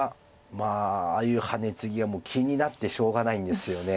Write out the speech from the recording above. まあああいうハネツギはもう気になってしょうがないんですよね。